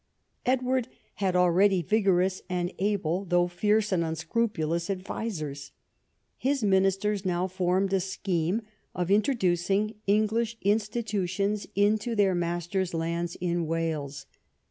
Edward had already vigorous and able, though fierce and unscrupulous, advisers. His ministers now formed a scheme of introducing English institutions into their master's lands in Wales.